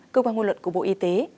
đưa qua nguồn luận của bộ y tế